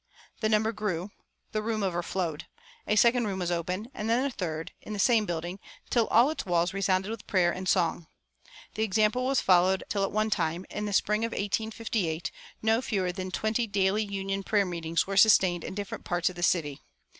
The number grew. The room overflowed. A second room was opened, and then a third, in the same building, till all its walls resounded with prayer and song. The example was followed until at one time, in the spring of 1858, no fewer than twenty "daily union prayer meetings" were sustained in different parts of the city.